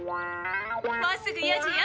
もうすぐ４時よ。